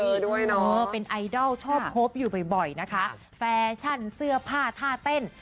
ด้วยเนอะเป็นไอดอลชอบคบอยู่บ่อยนะคะแฟชั่นเสื้อผ้าท่าเต้น